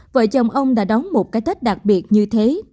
vợ chồng ông đã đóng một cái tết đặc biệt như thế